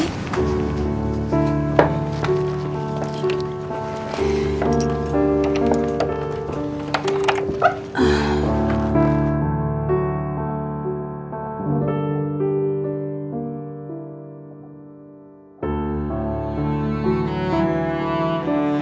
yuk masuk yuk